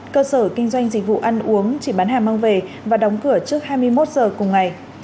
cơ sở kinh doanh dịch vụ ăn uống chỉ bán hàng mang về và đóng cửa trước hai mươi một giờ cùng ngày